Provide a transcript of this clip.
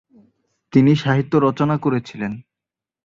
তিনি সাহিত্য রচনা করেছিলেন।